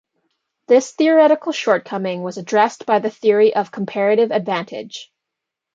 This theoretical shortcoming was addressed by the theory of comparative advantage.